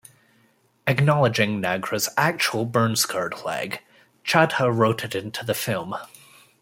Acknowledging Nagra's actual burn-scarred leg, Chadha wrote it into the film.